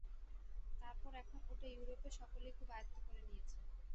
তারপর এখন ওটা ইউরোপে সকলেই খুব আয়ত্ত করে নিয়েছে।